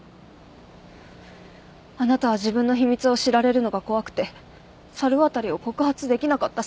あなたは自分の秘密を知られるのが怖くて猿渡を告発できなかった。